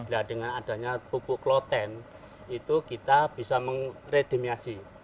nah dengan adanya popok kloten itu kita bisa mengredemiasi